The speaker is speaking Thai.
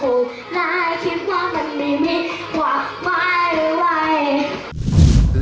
คิดว่ามันไม่มีกว่าไม้หรือไหว